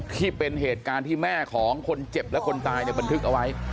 ที่เป็นเหตุการณ์ที่แม่ของคนเจ็บและคนตายเนี่ยบันทึกเอาไว้